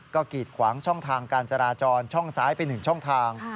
ก็กีดขวางช่องทางการจราจรช่องซ้ายไป๑ช่องทาง